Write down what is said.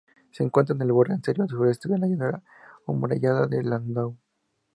Se encuentra en el borde exterior sureste de la llanura amurallada de Landau.